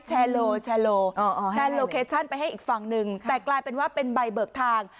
โลแชร์โลแชร์โลเคชั่นไปให้อีกฝั่งหนึ่งแต่กลายเป็นว่าเป็นใบเบิกทาง